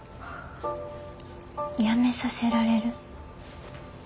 辞めさせられる？